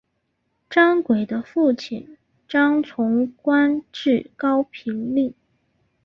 张轨的父亲张崇官至高平令。